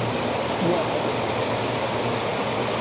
莫尔普雷。